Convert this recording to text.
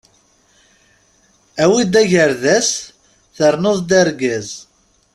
Awi-d agerdas ternuḍ-d argaz!